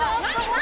何！？